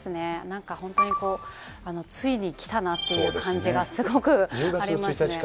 なんか本当にこう、ついにきたなという感じがすごくありますね。